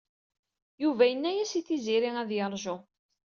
Yuba inna-yas i Tiziri ad yerju.